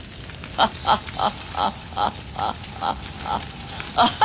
ハハハハ！